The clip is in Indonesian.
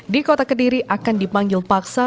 di kota kediri akan dipanggil paksa